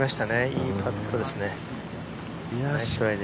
いいパットですね。